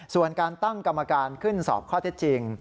ส่วนการตั้งกรรมการขึ้นสอบข้อเท็จจริง